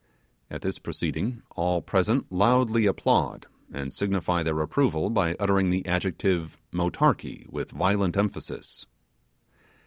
At this proceeding all present loudly applaud and signify their approval by uttering the adjective 'motarkee' with violent emphasis.